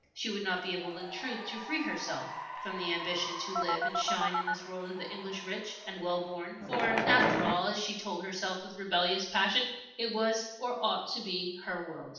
She would not be able in truth to free herself from the ambition to live and shine in this world of the English rich and well born. For, after all, as she told herself with rebellious passion, it was or ought to be her world.